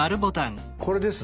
これですね。